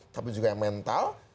tapi juga yang mental